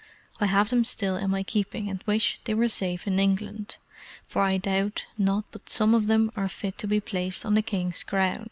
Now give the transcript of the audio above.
I have them still in my keeping, and wish they were safe in England; for I doubt not but some of them are fit to be placed on the king's crown.